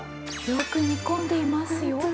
よく似込んでいますよ。